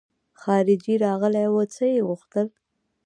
خارجۍ راغلې وه څه يې غوښتل.